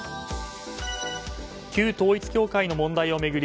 旧統一教会の問題を巡り